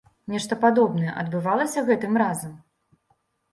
Нешта падобнае адбывалася гэтым разам?